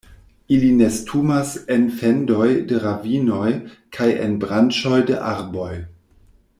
Ili nestumas en fendoj de ravinoj kaj en branĉoj de arboj.